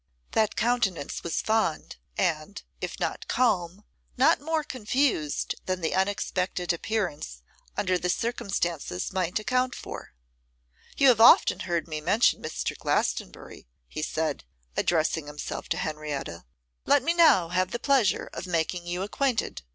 That countenance was fond, and, if not calm, not more confused than the unexpected appearance under the circumstances might account for. 'You have often heard me mention Mr. Glastonbury,' he said, addressing himself to Henrietta. 'Let me now have the pleasure of making you acquainted.